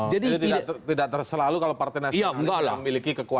jadi tidak terselalu kalau partai nasionalis memiliki kekuatan